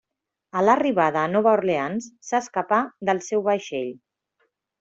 A l'arribada a Nova Orleans, s'escapà del seu vaixell.